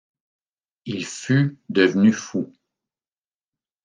Il fût devenu fou.